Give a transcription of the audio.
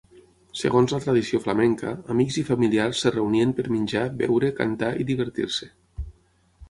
Segons la tradició flamenca, amics i familiars es reunien per menjar, beure, cantar i divertir-se.